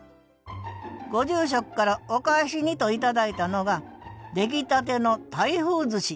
ご住職からお返しにと頂いたのが出来たての台風ずし